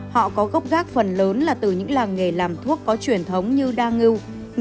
họ có gốc gác phần lớn là từ những làng nghề làm thuốc có truyền thống như đa ngưu